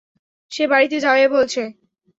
সে বাড়িতে যাবে বলছে।